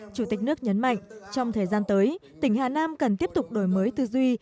chủ tịch nước nhấn mạnh trong thời gian tới tỉnh hà nam cần tiếp tục đổi mới tư duy